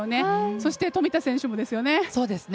そして、富田選手もですね。